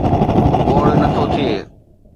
گوڙ نه ٿو ٿئي.